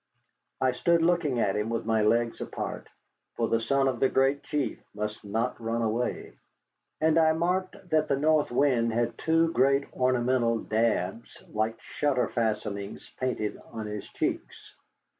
I stood looking at him with my legs apart, for the son of the Great Chief must not run away. And I marked that the North Wind had two great ornamental daubs like shutter fastenings painted on his cheeks.